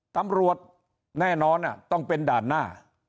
ตำรวจแน่นอนต้องเป็นด่านหน้า